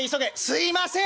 すいません」。